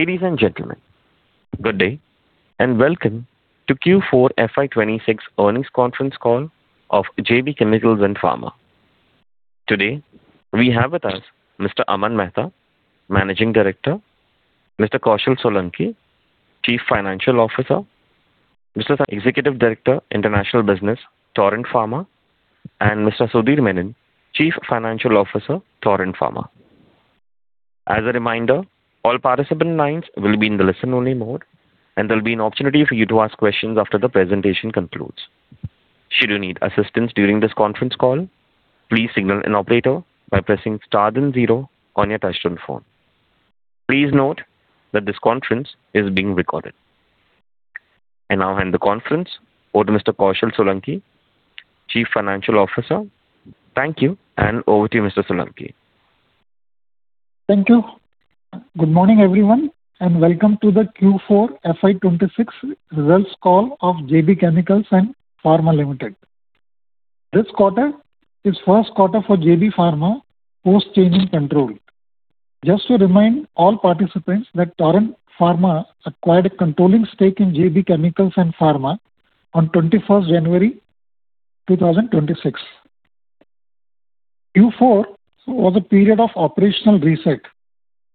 Ladies and gentlemen, good day, welcome to Q4 FY 2026 earnings conference call of JB Chemicals & Pharmaceuticals. Today we have with us Mr. Aman Mehta, Managing Director, Mr. Kaushal Solanki, Chief Financial Officer, Executive Director, International Business, Torrent Pharma, Mr. Sudhir Menon, Chief Financial Officer, Torrent Pharma. As a reminder, all participant lines will be in the listen only mode, there'll be an opportunity for you to ask questions after the presentation concludes. Should you need assistance during this conference call, please signal an operator by pressing star then zero on your touchtone phone. Please note that this conference is being recorded. I now hand the conference over to Mr. Kaushal Solanki, Chief Financial Officer. Thank you, over to you, Mr. Solanki. Thank you. Good morning, everyone, welcome to the Q4 FY 2026 results call of JB Chemicals & Pharmaceuticals Limited. This first quarter for JB Pharma post change in control. Just to remind all participants that Torrent Pharma acquired a controlling stake in JB Chemicals & Pharmaceuticals on 21st January 2026. Q4 was a period of operational reset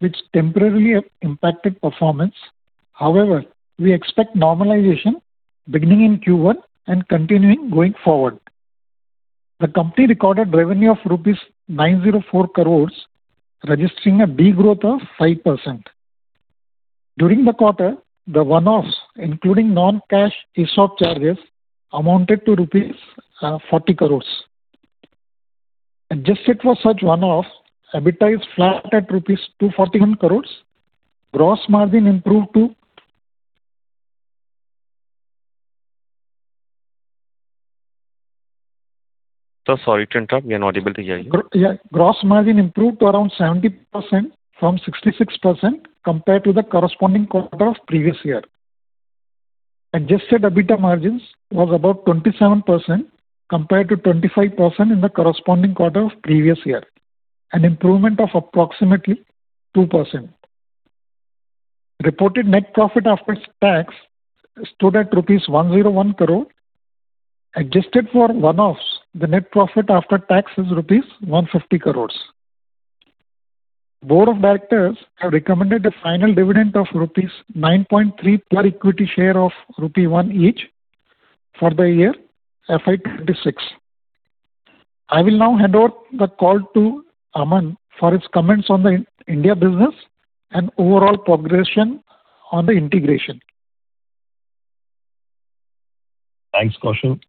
which temporarily impacted performance. We expect normalization beginning in Q1 and continuing going forward. The company recorded revenue of rupees 904 crores, registering a de-growth of 5%. During the quarter, the one-offs, including non-cash ESOP charges, amounted to rupees 40 crores. Adjusted for such one-off, EBITDA is flat at rupees 241 crores. Gross margin improved to- Sir, sorry to interrupt. You're inaudible. Yeah. Gross margin improved to around 70% from 66% compared to the corresponding quarter of previous year. Adjusted EBITDA margins was about 27% compared to 25% in the corresponding quarter of previous year, an improvement of approximately 2%. Reported net profit after tax stood at INR 101 crore. Adjusted for one-offs, the net profit after tax is INR 150 crores. Board of directors have recommended a final dividend of INR 9.3 per equity share of INR 1 each for the year FY 2026. I will now hand over the call to Aman for his comments on the India business and overall progression on the integration. Thanks, Kaushal.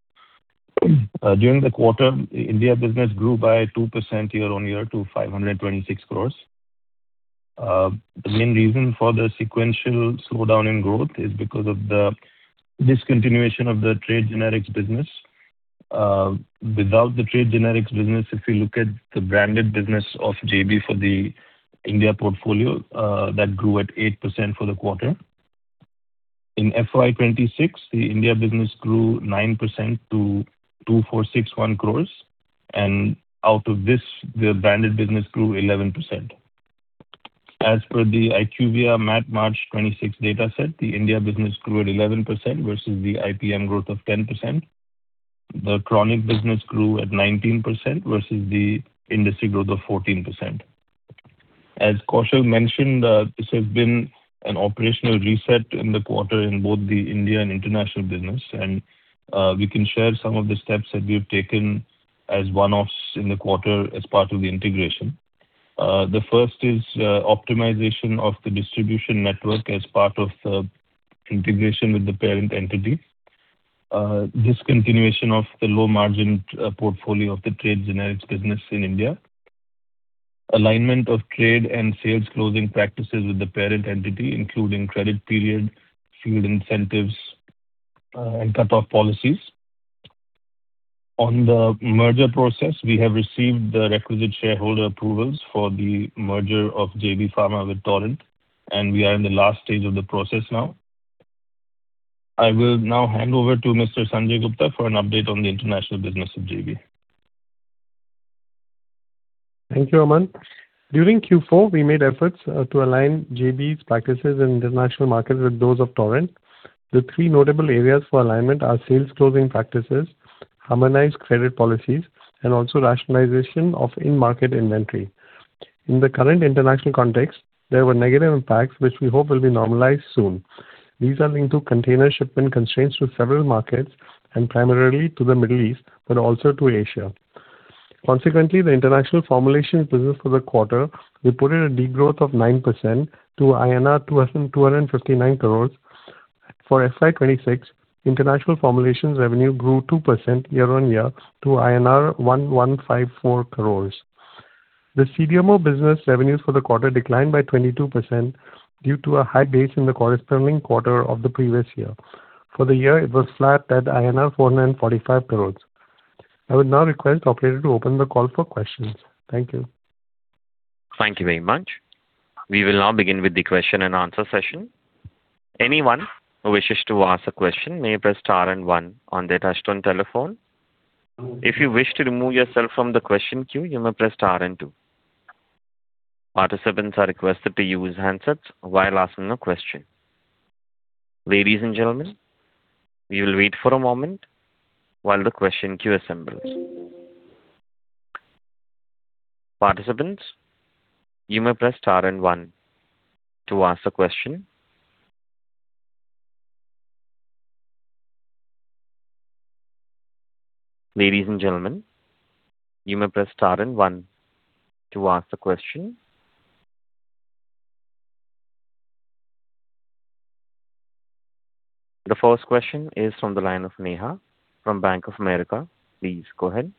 During the quarter, India business grew by 2% year-on-year to 526 crores. The main reason for the sequential slowdown in growth is because of the discontinuation of the trade generics business. Without the trade generics business, if you look at the branded business of JB for the India portfolio, that grew at 8% for the quarter. In FY 2026, the India business grew 9% to 2,461 crores. Out of this, the branded business grew 11%. As per the IQVIA MAT March 26 data set, the India business grew at 11% versus the IPM growth of 10%. The chronic business grew at 19% versus the industry growth of 14%. As Kaushal mentioned, this has been an operational reset in the quarter in both the India and international business. We can share some of the steps that we've taken as one-offs in the quarter as part of the integration. The first is optimization of the distribution network as part of the integration with the parent entity. Discontinuation of the low margin portfolio of the trade generics business in India. Alignment of trade and sales closing practices with the parent entity, including credit period, field incentives, and cutoff policies. On the merger process, we have received the requisite shareholder approvals for the merger of JB Pharma with Torrent Pharma, and we are in the last stage of the process now. I will now hand over to Mr. Sanjay Gupta for an update on the international business of JB. Thank you, Aman. During Q4, we made efforts to align JB's practices in international markets with those of Torrent. The three notable areas for alignment are sales closing practices, harmonized credit policies, and also rationalization of in-market inventory. In the current international context, there were negative impacts which we hope will be normalized soon. These are linked to container shipment constraints to several markets and primarily to the Middle East but also to Asia. Consequently, the international formulations business for the quarter reported a de-growth of 9% to INR 2,259 crores. For FY 2026, international formulations revenue grew 2% year-on-year to INR 1,154 crores. The CDMO business revenues for the quarter declined by 22% due to a high base in the corresponding quarter of the previous year. For the year, it was flat at INR 4,945 crores. I would now request operator to open the call for questions. Thank you. Thank you very much. We will now begin with the question and answer session. Anyone who wishes to ask a question may press star and 1 on their touchtone telephone. If you wish to remove yourself from the question queue, you may press star and 2. Participants are requested to use handsets while asking a question. Ladies and gentlemen, we will wait for a moment while the question queue assembles. Participants, you may press star and 1 to ask a question. Ladies and gentlemen, you may press star and one to ask a question. The first question is from the line of Neha from Bank of America. Please go ahead.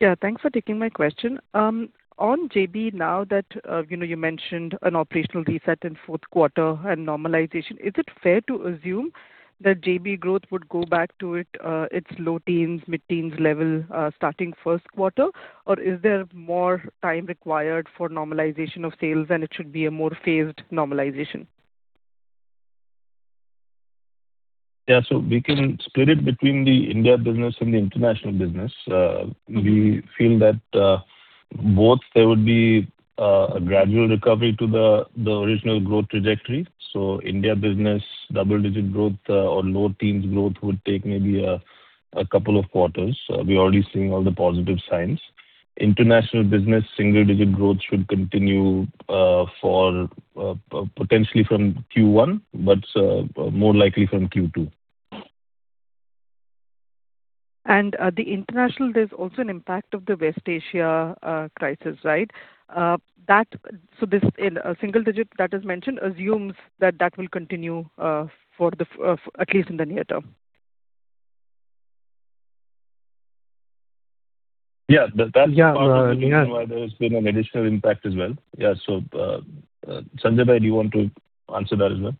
Yeah, thanks for taking my question. On JB now that, you know, you mentioned an operational reset in fourth quarter and normalization, is it fair to assume that JB growth would go back to it, its low teens, mid-teens level, starting first quarter? Or is there more time required for normalization of sales, and it should be a more phased normalization? We can split it between the India business and the international business. We feel that both there would be a gradual recovery to the original growth trajectory. India business double-digit growth or low teens growth would take maybe a couple of quarters. We are already seeing all the positive signs. International business single-digit growth should continue for potentially from Q1, but more likely from Q2. The international, there's also an impact of the West Asia crisis, right? This in a single digit that is mentioned assumes that that will continue at least in the near term. Yeah. Yeah. yeah. There's been an additional impact as well. Yeah. Sanjay, do you want to answer that as well?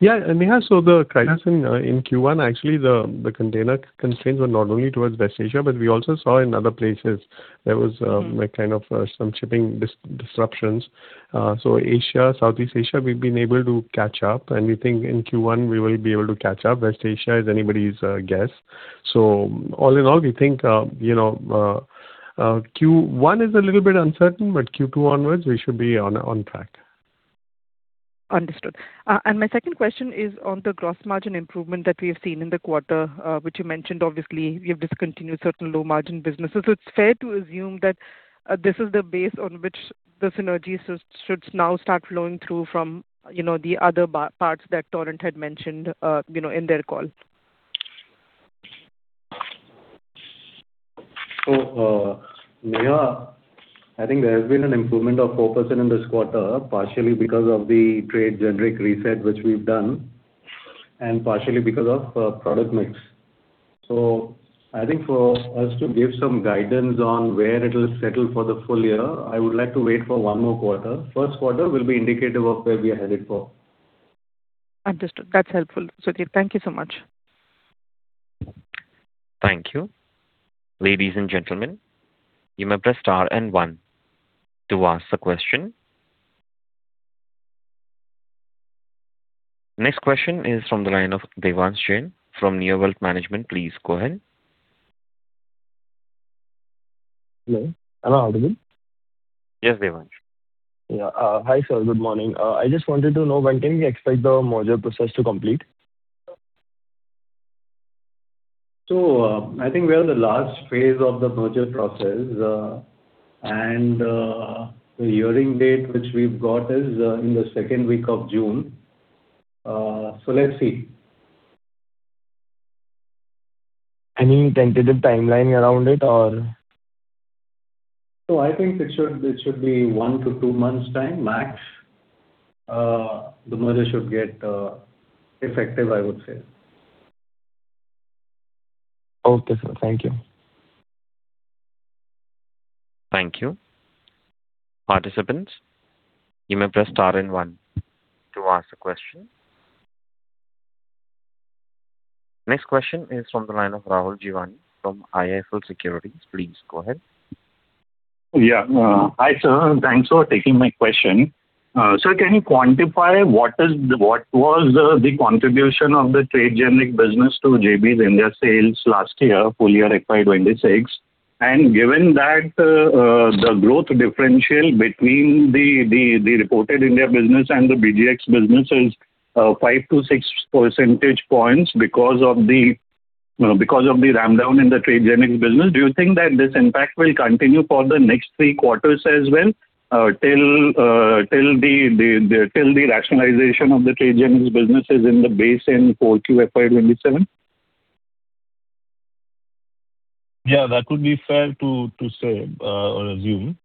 Yeah. Neha, the crisis in Q1, the container constraints were not only towards West Asia, but we also saw in other places there was a kind of some shipping disruptions. Asia, Southeast Asia, we've been able to catch up, and we think in Q1 we will be able to catch up. West Asia is anybody's guess. All in all, we think, you know, Q1 is a little bit uncertain, but Q2 onwards we should be on track. Understood. My second question is on the gross margin improvement that we have seen in the quarter, which you mentioned. Obviously, you've discontinued certain low-margin businesses. It's fair to assume that this is the base on which the synergies should now start flowing through from, you know, the other parts that Torrent had mentioned, you know, in their call. Neha, I think there has been an improvement of 4% in this quarter, partially because of the trade generic reset, which we've done, and partially because of product mix. I think for us to give some guidance on where it will settle for the full year, I would like to wait for one more quarter. First quarter will be indicative of where we are headed for. Understood. That's helpful, Sudhir. Thank you so much. Thank you. Ladies and gentlemen, you may press star and one to ask a question. Next question is from the line of Devansh Jain from NewWorld Management. Please go ahead. Hello, am I audible? Yes, Devansh. Yeah. Hi, sir. Good morning. I just wanted to know, when can we expect the merger process to complete? I think we are in the last phase of the merger process. The hearing date which we've got is in the second week of June. Let's see. Any tentative timeline around it? I think it should be one to two months time max. The merger should get effective, I would say. Okay, sir. Thank you. Thank you. Participants, you may press star and one to ask a question. Next question is from the line of Rahul Jeewani from IIFL Securities. Please go ahead. Yeah. Hi, sir. Thanks for taking my question. Sir, can you quantify what was the contribution of the trade generic business to JB Pharma's India sales last year, full year FY 2026? Given that the growth differential between the reported India business and the BGx business is five to six percentage points because of the ramp down in the trade generic business, do you think that this impact will continue for the next three quarters as well, till the rationalization of the trade generics business is in the base in full Q FY 2027? Yeah, that would be fair to say or assume.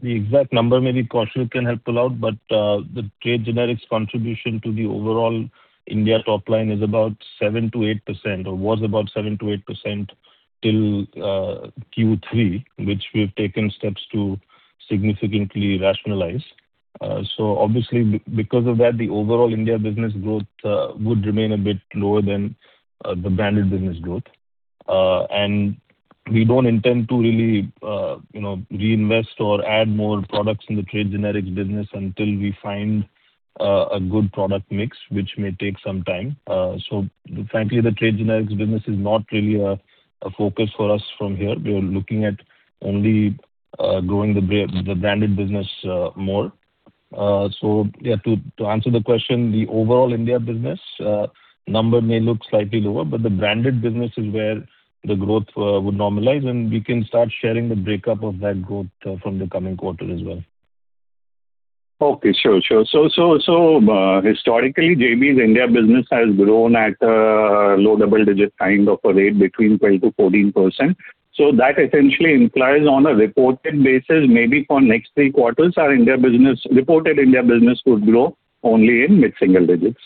The exact number maybe Kaushal can help pull out, but the trade generics contribution to the overall India top line is about 7%-8% or was about 7%-8% till Q3, which we've taken steps to significantly rationalize. Obviously because of that, the overall India business growth would remain a bit lower than the branded business growth. We don't intend to really, you know, reinvest or add more products in the trade generics business until we find a good product mix, which may take some time. Frankly, the trade generics business is not really a focus for us from here. We are looking at only growing the branded business more. Yeah, to answer the question, the overall India business number may look slightly lower, but the branded business is where the growth would normalize, and we can start sharing the breakup of that growth from the coming quarter as well. Okay. Sure, sure. So, historically, JB's India business has grown at a low double digit kind of a rate between 12%-14%. That essentially implies on a reported basis, maybe for next three quarters, our reported India business would grow only in mid-single digits.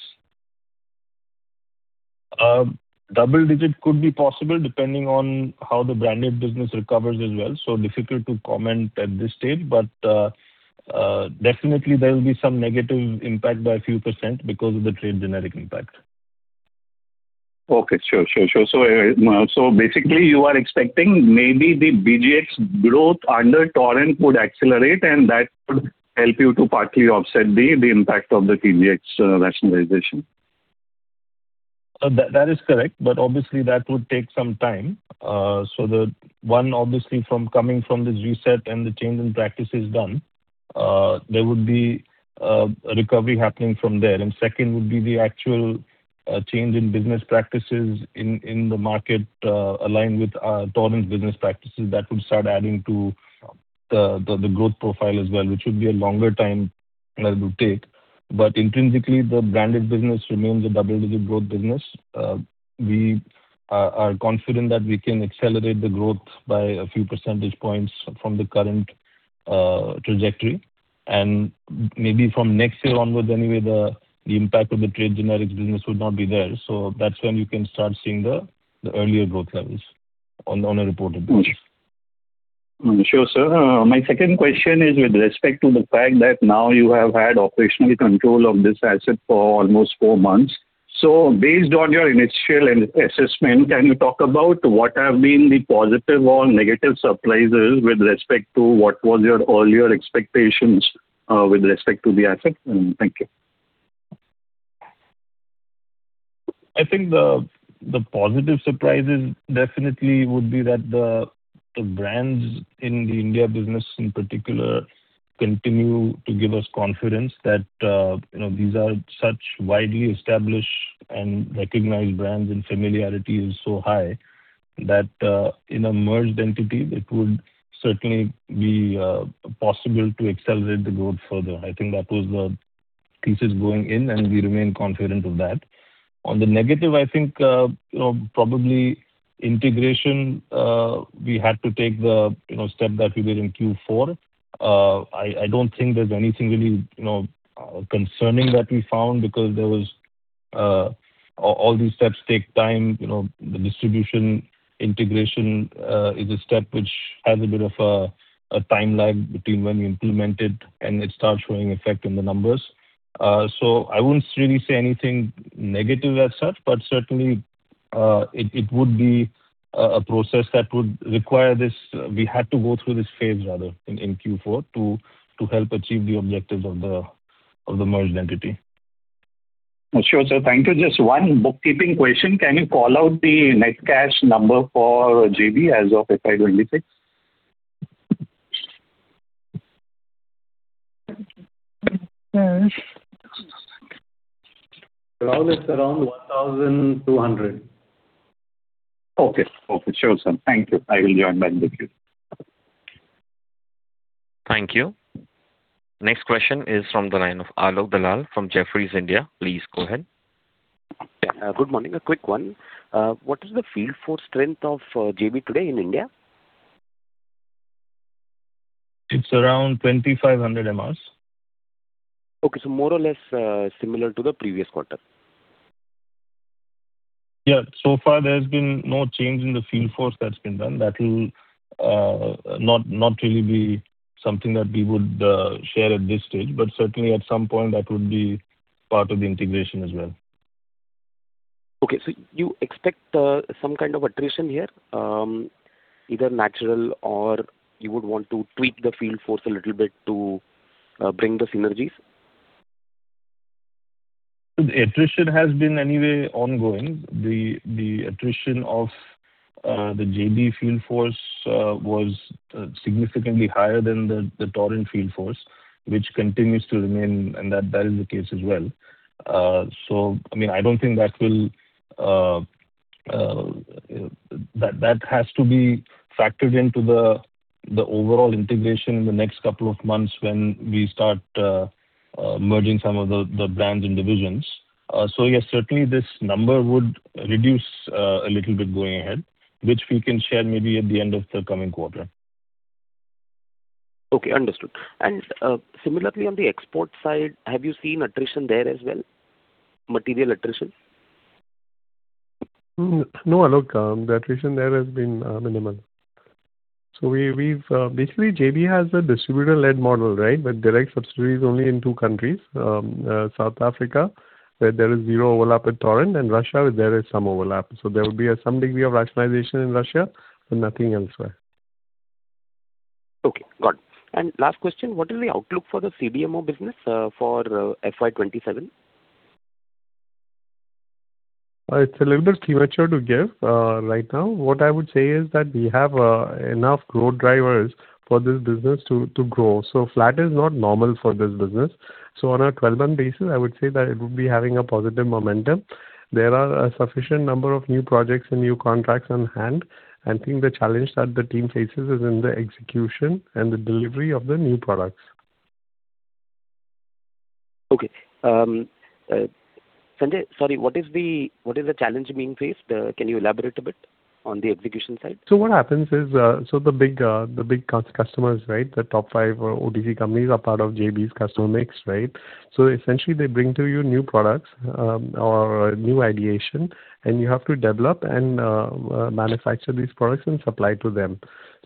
Double digit could be possible depending on how the branded business recovers as well. Difficult to comment at this stage, but definitely there will be some negative impact by a few % because of the trade generic impact. Okay. Sure, sure. Basically you are expecting maybe the BGx growth under Torrent would accelerate, and that would help you to partly offset the impact of the TGx rationalization. That is correct. Obviously that would take some time. The One, obviously from coming from this reset and the change in practice is done, there would be a recovery happening from there. Second would be the actual change in business practices in the market, aligned with Torrent business practices that would start adding to the growth profile as well, which would be a longer time that it will take. Intrinsically, the branded business remains a double-digit growth business. We are confident that we can accelerate the growth by a few percentage points from the current trajectory. Maybe from next year onwards anyway, the impact of the trade generics business would not be there. That's when you can start seeing the earlier growth levels on a reported basis. Sure, sir. My second question is with respect to the fact that now you have had operational control of this asset for almost four months. Based on your initial assessment, can you talk about what have been the positive or negative surprises with respect to what was your earlier expectations with respect to the asset? Thank you. I think the positive surprises definitely would be that the brands in the India business in particular continue to give us confidence that, you know, these are such widely established and recognized brands, and familiarity is so high that, in a merged entity it would certainly be, possible to accelerate the growth further. I think that was the thesis going in, and we remain confident of that. On the negative, I think, you know, probably integration, we had to take the, you know, step that we did in Q4. I don't think there's anything really, you know, concerning that we found because there was, All these steps take time. You know, the distribution integration is a step which has a bit of a time lag between when you implement it and it starts showing effect in the numbers. I wouldn't really say anything negative as such, but certainly, it would be a process that would require this. We had to go through this phase rather in Q4 to help achieve the objectives of the, of the merged entity. Sure, sir. Thank you. Just one bookkeeping question. Can you call out the net cash number for JB as of FY 2026? More or less around 1,200. Okay. Okay. Sure, sir. Thank you. I will join back the queue. Thank you. Next question is from the line of Alok Dalal, Analyst, from Jefferies India. Please go ahead. Good morning. A quick one. What is the field force strength of JB today in India? It's around 2,500 MRs. Okay. More or less similar to the previous quarter. Yeah. So far there's been no change in the field force that's been done. That'll not really be something that we would share at this stage, but certainly at some point that would be part of the integration as well. Okay. You expect, some kind of attrition here, either natural or you would want to tweak the field force a little bit to, bring the synergies? The attrition has been anyway ongoing. The attrition of the JB field force was significantly higher than the Torrent field force, which continues to remain, and that is the case as well. I mean, I don't think that will That has to be factored into the overall integration in the next couple of months when we start merging some of the brands and divisions. Yes, certainly this number would reduce a little bit going ahead, which we can share maybe at the end of the coming quarter. Okay. Understood. Similarly on the export side, have you seen attrition there as well? Material attrition? No, Alok. The attrition there has been minimal. We've basically JB has a distributor-led model, right? Direct subsidiary is only in two countries. South Africa, where there is zero overlap with Torrent, and Russia, where there is some overlap. There will be some degree of rationalization in Russia, but nothing elsewhere. Okay, got it. Last question, what is the outlook for the CDMO business for FY27? It's a little bit premature to give right now. What I would say is that we have enough growth drivers for this business to grow. Flat is not normal for this business. On a 12-month basis, I would say that it would be having a positive momentum. There are a sufficient number of new projects and new contracts on hand. I think the challenge that the team faces is in the execution and the delivery of the new products. Okay. Sanjay, sorry, what is the challenge being faced? Can you elaborate a bit on the execution side? What happens is, the big customers, right? The top five OTC companies are part of JB's custom mix, right? Essentially, they bring to you new products, or new ideation, and you have to develop and manufacture these products and supply to them.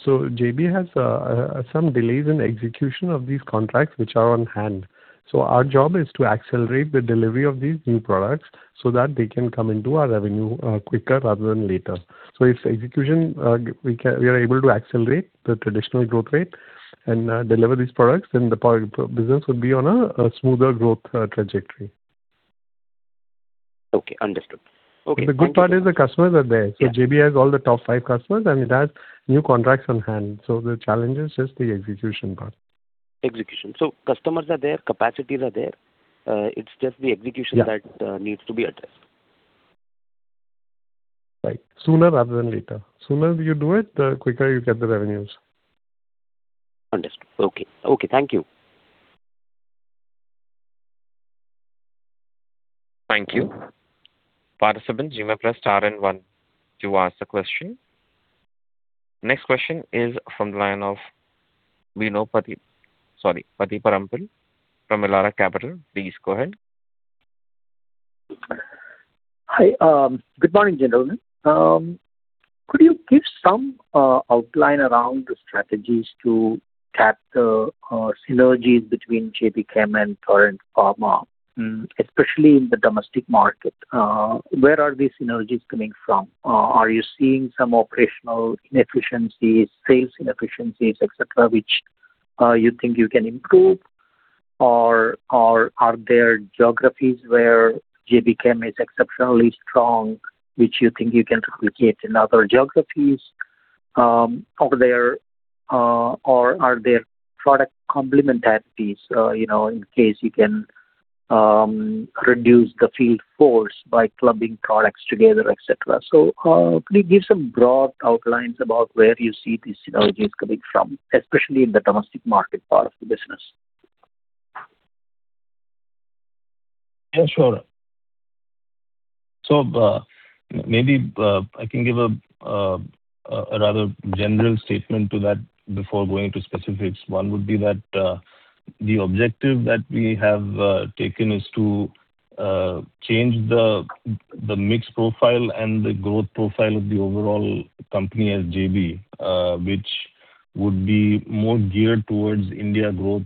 JB has some delays in execution of these contracts which are on hand. Our job is to accelerate the delivery of these new products so that they can come into our revenue quicker rather than later. If execution, we are able to accelerate the traditional growth rate and deliver these products, then the pro-business would be on a smoother growth trajectory. Okay, understood. Okay, thank you. The good part is the customers are there. Yeah. JB has all the top five customers and it has new contracts on hand. The challenge is just the execution part. Execution. customers are there, capacities are there, it's just the execution. Yeah. that needs to be addressed. Right. Sooner rather than later. Sooner you do it, the quicker you get the revenues. Understood. Okay. Okay, thank you. Thank you. Next question is from the line of Midhun Parampil. Sorry, Bino Pathiparampil from Elara Capital. Please go ahead. Hi. Good morning, gentlemen. Could you give some outline around the strategies to tap the synergies between JB Chem and Torrent Pharma, especially in the domestic market? Where are these synergies coming from? Are you seeing some operational inefficiencies, sales inefficiencies, et cetera, which you think you can improve? Are there geographies where JB Chem is exceptionally strong, which you think you can replicate in other geographies? Are there product complementarities, you know, in case you can reduce the field force by clubbing products together, et cetera. Could you give some broad outlines about where you see these synergies coming from, especially in the domestic market part of the business? Yeah, sure. Maybe I can give a rather general statement to that before going to specifics. One would be that the objective that we have taken is to change the mix profile and the growth profile of the overall company as JB, which would be more geared towards India growth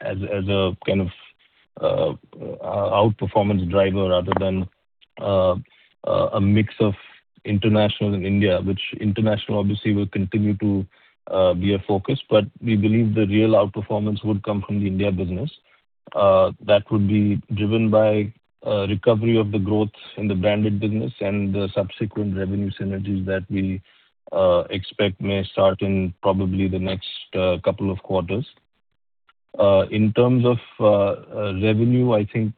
as a kind of outperformance driver rather than a mix of international and India, which international obviously will continue to be a focus. We believe the real outperformance would come from the India business. That would be driven by recovery of the growth in the branded business and the subsequent revenue synergies that we expect may start in probably the next couple of quarters. in terms of revenue, I think,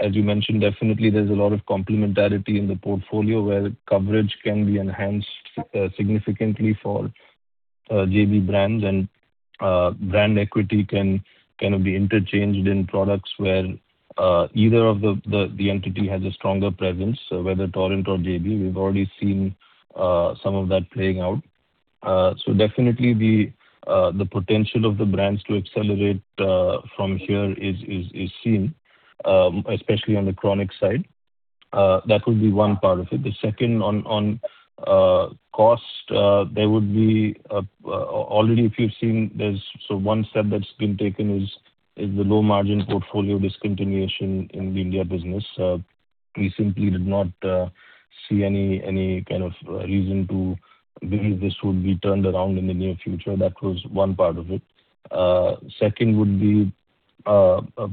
as you mentioned, definitely there's a lot of complementarity in the portfolio where coverage can be enhanced significantly for JB brands and brand equity can kind of be interchanged in products where either of the entity has a stronger presence, whether Torrent or JB. We've already seen some of that playing out. Definitely the potential of the brands to accelerate from here is seen especially on the chronic side. That would be one part of it. The second on cost, there would be already if you've seen there's one step that's been taken is the low margin portfolio discontinuation in the India business. We simply did not see any kind of reason to believe this would be turned around in the near future. That was one part of it. Second would be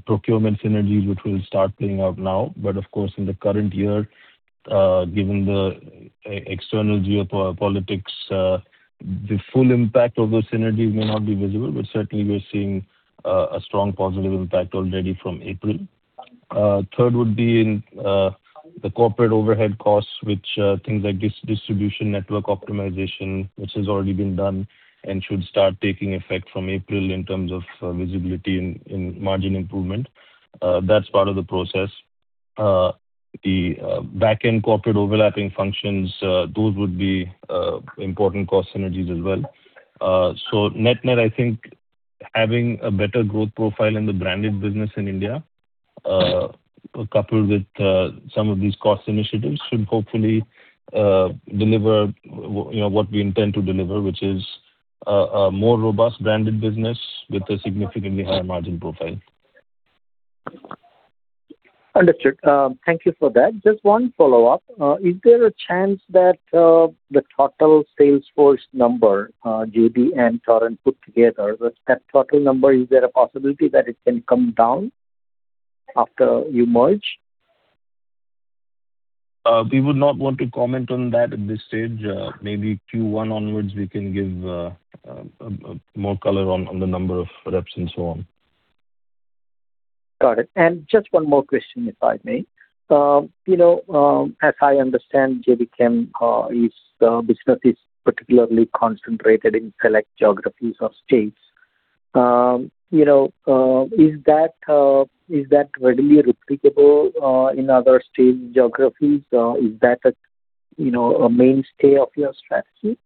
procurement synergies, which will start playing out now. Of course, in the current year, given the external geopolitics, the full impact of those synergies may not be visible, but certainly we're seeing a strong positive impact already from April. Third would be in the corporate overhead costs, which things like distribution network optimization, which has already been done and should start taking effect from April in terms of visibility and margin improvement. That's part of the process. The back-end corporate overlapping functions, those would be important cost synergies as well. Net-net, I think having a better growth profile in the branded business in India, coupled with some of these cost initiatives should hopefully deliver, you know, what we intend to deliver, which is a more robust branded business with a significantly higher margin profile. Understood. Thank you for that. Just one follow-up. Is there a chance that the total sales force number, JB and Torrent put together, that total number, is there a possibility that it can come down after you merge? We would not want to comment on that at this stage. Maybe Q1 onwards we can give more color on the number of reps and so on. Got it. Just one more question, if I may. You know, as I understand, JB Chem, its business is particularly concentrated in select geographies or states. You know, is that readily replicable in other state geographies? Is that a, you know, a mainstay of your strategy?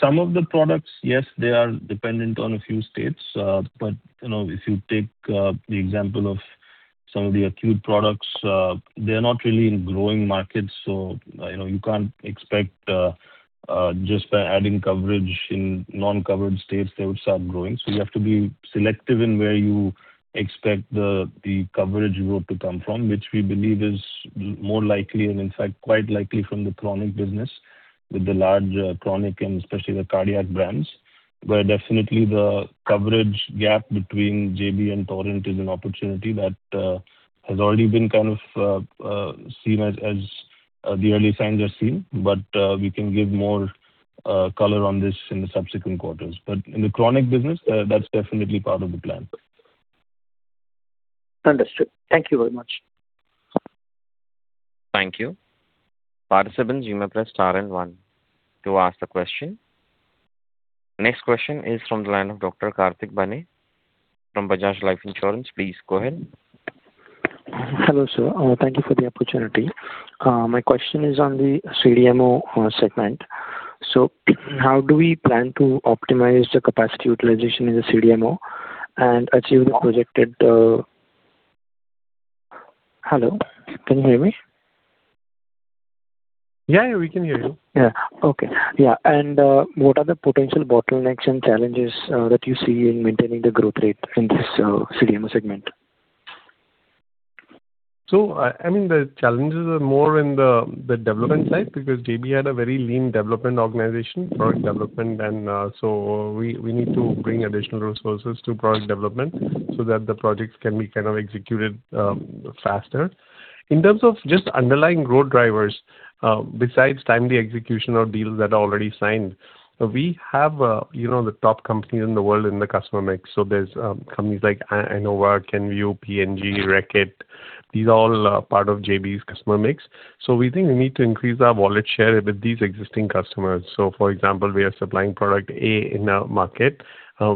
Some of the products, yes, they are dependent on a few states. You know, if you take the example of some of the acute products, they're not really in growing markets, so, you know, you can't expect just by adding coverage in non-covered states they would start growing. You have to be selective in where you expect the coverage growth to come from, which we believe is more likely and in fact quite likely from the chronic business with the large chronic and especially the cardiac brands, where definitely the coverage gap between JB and Torrent is an opportunity that has already been kind of seen as the early signs are seen. We can give more color on this in the subsequent quarters. In the chronic business, that's definitely part of the plan. Understood. Thank you very much. Thank you. you may press star 1 to ask a question. Next question is from the line of Dr. Kartik Bane from Bajaj Life Insurance. Please go ahead. Hello, sir. Thank you for the opportunity. My question is on the CDMO segment. How do we plan to optimize the capacity utilization in the CDMO and achieve the projected, Hello, can you hear me? Yeah, yeah, we can hear you. Yeah. Okay. Yeah. What are the potential bottlenecks and challenges that you see in maintaining the growth rate in this CDMO segment? I mean, the challenges are more in the development side because JB had a very lean development organization, product development. We need to bring additional resources to product development so that the projects can be kind of executed faster. In terms of just underlying growth drivers, besides timely execution of deals that are already signed, we have, you know, the top companies in the world in the customer mix. There's companies like Amway, Kenvue, P&G, Reckitt. These are all part of JB's customer mix. We think we need to increase our wallet share with these existing customers. For example, we are supplying product A in a market.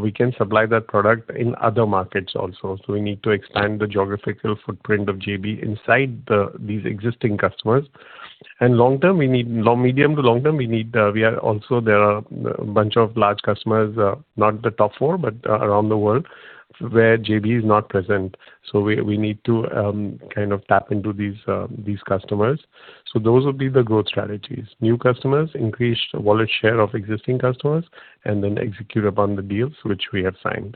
We can supply that product in other markets also. We need to expand the geographical footprint of JB inside these existing customers. Medium to long term, we are also There are a bunch of large customers, not the top four, but around the world where JB is not present. We need to kind of tap into these customers. Those would be the growth strategies. New customers, increased wallet share of existing customers, and then execute upon the deals which we have signed.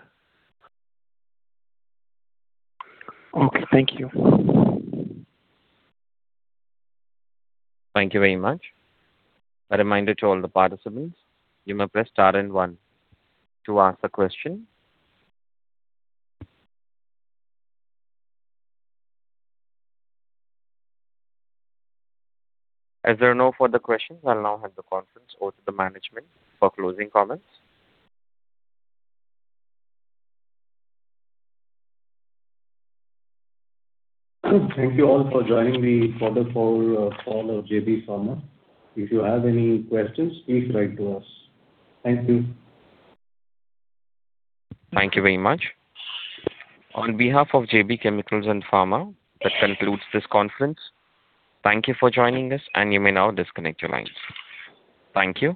Okay. Thank you. Thank you very much. A reminder to all the participants, you may press star 1 to ask a question. As there are no further questions, I will now hand the conference over to the management for closing comments. Thank you all for joining the quarter call of JB Pharma. If you have any questions, please write to us. Thank you. Thank you very much. On behalf of JB Chemicals & Pharmaceuticals, that concludes this conference. Thank you for joining us, and you may now disconnect your lines. Thank you.